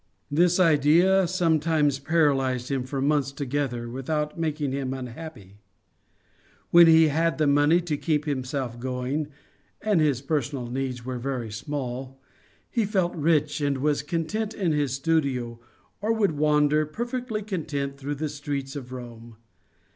This idea sometimes paralysed him for months together, without making him unhappy. When he had the money to keep himself going and his personal needs were very small he felt rich and was content in his studio or would wander, perfectly content, through the streets of Rome.